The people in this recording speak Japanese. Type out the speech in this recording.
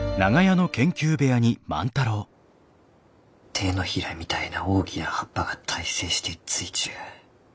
手のひらみたいな大きな葉っぱが対生してついちゅう。